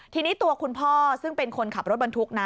ทีนี้ตัวคุณพ่อซึ่งเป็นคนขับรถบรรทุกนะ